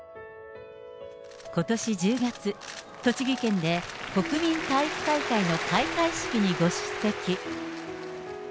ことし１０月、栃木県で国民体育大会の開会式にご出席。